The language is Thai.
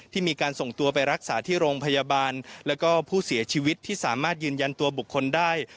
มีการส่งตัวไปรักษาที่โรงพยาบาลแล้วก็ผู้เสียชีวิตที่สามารถยืนยันตัวบุคคลได้